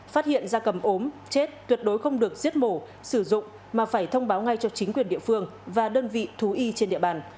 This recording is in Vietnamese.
phát hiện da cầm ốm chết tuyệt đối không được giết mổ sử dụng mà phải thông báo ngay cho chính quyền địa phương và đơn vị thú y trên địa bàn